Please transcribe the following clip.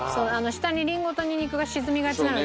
下にリンゴとニンニクが沈みがちなので。